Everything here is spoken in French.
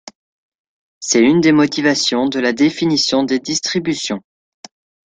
C'est une des motivations de la définition des distributions.